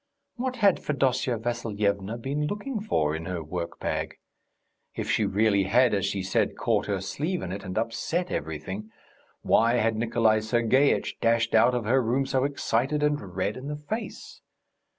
What had Fedosya Vassilyevna been looking for in her work bag? If she really had, as she said, caught her sleeve in it and upset everything, why had Nikolay Sergeitch dashed out of her room so excited and red in the face?